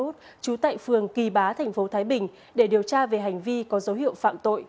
trú tại phường kỳ bá thành phố thái bình để điều tra về hành vi có dấu hiệu phạm tội